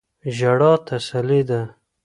ژړا تسلی ده.